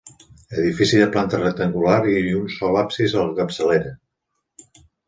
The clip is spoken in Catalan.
Edifici de planta rectangular i un sol absis a la capçalera.